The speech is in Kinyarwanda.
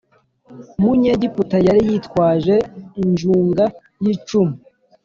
munyegiputa yari yitwaje injunga y icumu